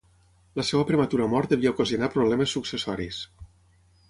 La seva prematura mort devia ocasionar problemes successoris.